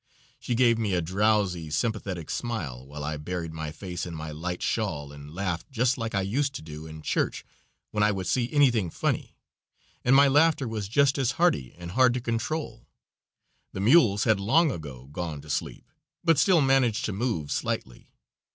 She gave me a drowsy, sympathetic smile, while I buried my face in my light shawl and laughed just like I used to do in church when I would see anything funny, and my laughter was just as hearty and hard to control. The mules had long ago gone to sleep, but still managed to move slightly.